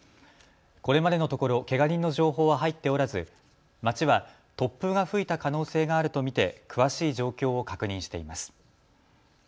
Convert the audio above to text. これまでのところけが人の情報は入っておらず町は突風が吹いた可能性があると見て詳しい状況を確認しています。